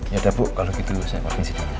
yaudah bu kalau gitu saya ngomongin sini